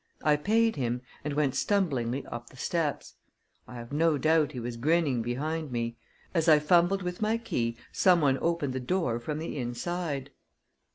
I paid him, and went stumblingly up the steps. I have no doubt he was grinning behind me. As I fumbled with my key, someone opened the door from the inside.